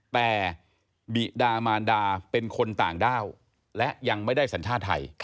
แต่บิดามานดาเป็นคนต่างด้าวและยังไม่ได้สัญชาติไทย